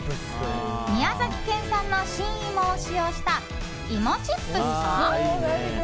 宮崎県産の新いもを使用したいもちっぷすか。